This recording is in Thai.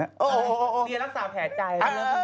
เดียรักษาแผลใจ